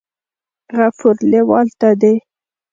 غفور لیوال ته دې